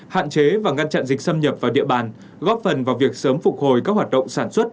hạn chế và ngăn chặn dịch xâm nhập vào địa bàn góp phần vào việc sớm phục hồi các hoạt động sản xuất